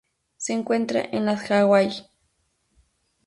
Se encuentra en las Hawaii.